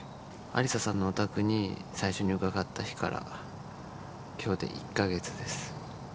アリサさんのお宅に最初に伺った日から今日で１か月です。